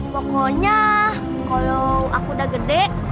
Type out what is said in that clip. pokoknya kalau aku udah gede